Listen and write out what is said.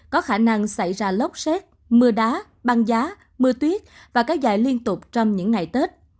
có khả năng xảy ra lốc xét mưa đá băng giá mưa tuyết và kéo dài liên tục trong những ngày tết